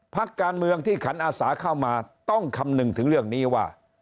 พักการเมืองที่ขันอาสาเข้ามาต้องคำนึงถึงเรื่องนี้ว่า